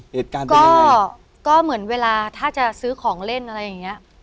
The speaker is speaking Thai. เหตุการณ์ได้ยังไงก็ก็เหมือนเวลาถ้าจะซื้อของเล่นอะไรอย่างเงี้ย